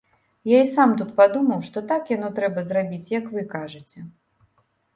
Я і сам тут падумаў, што так яно трэба зрабіць, як вы кажаце.